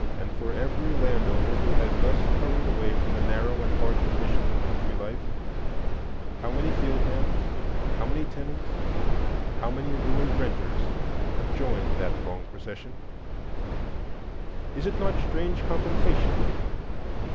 And for every land owner who has thus hurried away from the narrow and hard conditions of country life, how many field hands, how many tenants, how many ruined renters, have joined that long procession? Is it not strange compensation?